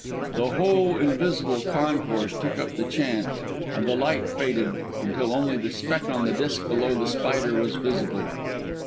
The whole invisible concourse took up the chant, and the light faded, until only the speck on the disk below the spider was visible.